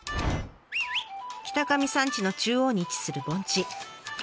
北上山地の中央に位置する盆地。